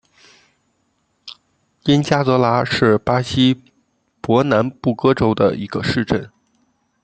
因加泽拉是巴西伯南布哥州的一个市镇。